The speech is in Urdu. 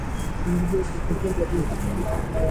زندگی ایک مسلسل جدوجہد کا نام ہے